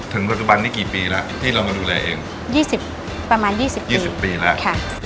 ปัจจุบันนี้กี่ปีแล้วที่เรามาดูแลเองยี่สิบประมาณยี่สิบยี่สิบปีแล้วค่ะ